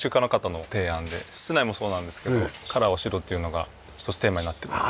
室内もそうなんですけど「カラーは白」っていうのが一つテーマになってるので。